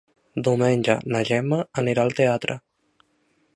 Diumenge na Gemma anirà al teatre.